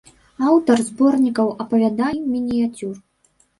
Аўтар зборнікаў апавяданняў і мініяцюр.